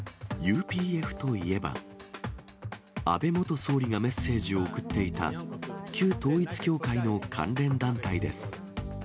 ＵＰＦといえば、安倍元総理がメッセージを送っていた、旧統一教会の関連団体です。